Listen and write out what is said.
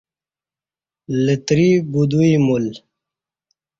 لتری بدویی مول